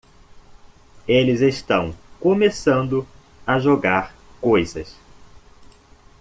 Eles estão começando a jogar coisas!